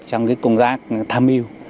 trong cái công giác tham yêu